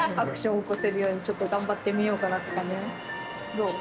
どう？